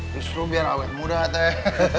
justru biar awet muda katanya